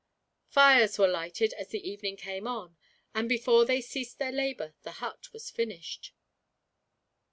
Fires were lighted as the evening came on, and before they ceased their labor the hut was finished.